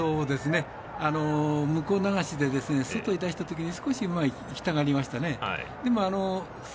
向こう流しで外に出したとき、少し馬いきたがりましたね。